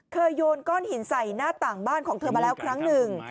โยนก้อนหินใส่หน้าต่างบ้านของเธอมาแล้วครั้งหนึ่ง